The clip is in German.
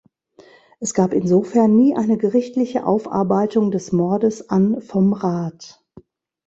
Es gab insofern nie eine gerichtliche Aufarbeitung des Mordes an vom Rath.